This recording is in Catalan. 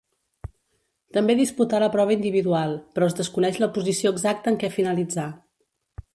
També disputà la prova individual, però es desconeix la posició exacta en què finalitzà.